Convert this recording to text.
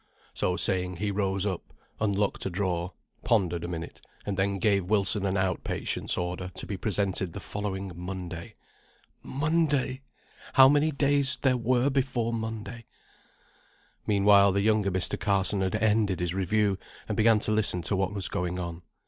So saying, he rose up, unlocked a drawer, pondered a minute, and then gave Wilson an out patient's order to be presented the following Monday. Monday! How many days there were before Monday! Meanwhile, the younger Mr. Carson had ended his review, and began to listen to what was going on.